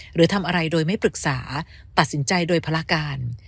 หรือทำอะไรโดยไม่ปรึกษาตัดสินใจโดยภารการ